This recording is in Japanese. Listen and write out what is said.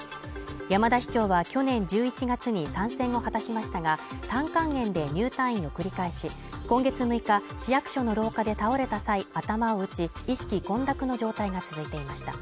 山田市長は去年１１月に３選を果たしましたが、胆管炎で入退院を繰り返し、今月６日、市役所の廊下で倒れた際、頭を打ち、意識混濁の状態が続いていました。